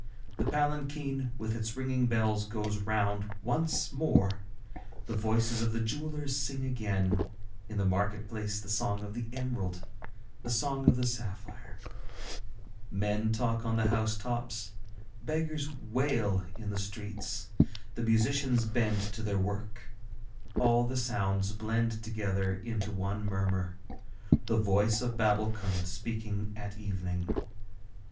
The palanquin, with its ringing bells, goes round once more; the voices of the jewellers sing again, in the market place, the song of the emerald, the song of the sapphire; men talk on the housetops, beggars wail in the streets, the musicians bend to their work, all the sounds blend together into one murmur, the voice of Babbulkund speaking at evening.